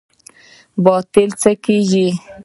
باطل څه کیږي؟